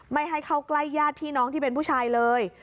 ไม่ให้เข้าใกล้ญาติพี่น้องที่เป็นผู้ชายเลย